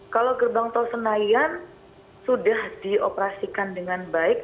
kalau gerbang tol senayan sudah dioperasikan dengan baik